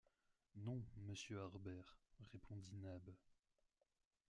Non, monsieur Harbert, répondit Nab